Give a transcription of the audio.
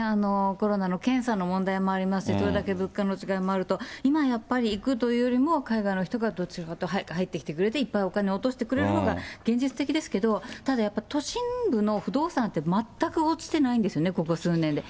コロナの検査の問題もありまして、これだけ物価の違いもありますと、今、やっぱり行くというよりも、海外の人が入ってきてくれて、いっぱいお金落としてくれるのが現実的ですけど、ただやっぱり都心部の不動産って、全く落ちてないんですね、ここ数年で。